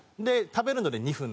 食べるので２分なんで。